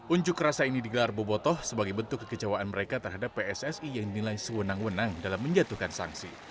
unjuk rasa ini digelar bobotoh sebagai bentuk kekecewaan mereka terhadap pssi yang dinilai sewenang wenang dalam menjatuhkan sanksi